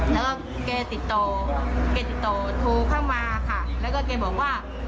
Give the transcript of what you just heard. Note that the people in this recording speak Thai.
แล้วก็แกติดต่อแกติดต่อโทรเข้ามาค่ะแล้วก็แกบอกว่า